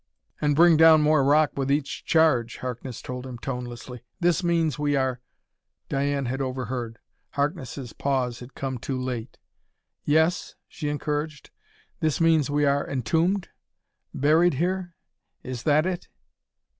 "And bring down more rock with each charge," Harkness told him tonelessly. "This means we are " Diane had overheard. Harkness' pause had come too late. "Yes?" she encouraged. "This means we are entombed? buried here? Is that it?"